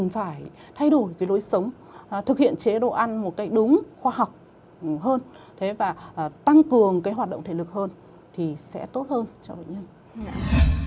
phải thay đổi lối sống thực hiện chế độ ăn đúng khoa học hơn tăng cường hoạt động thể lực hơn sẽ tốt hơn cho bệnh nhân